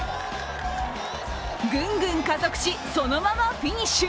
ぐんぐん加速し、そのままフィニッシュ。